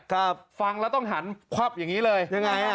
ครับฟังแล้วต้องหันควับอย่างนี้เลยยังไงอ่ะ